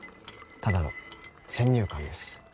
ただの先入観です。